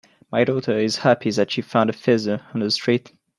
My daughter is happy that she found a feather on the street.